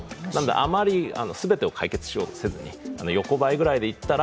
あまり全てを解決しようとせずに、横ばいくらいでいったら